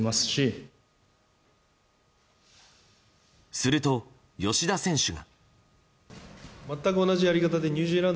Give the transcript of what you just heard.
すると吉田選手が。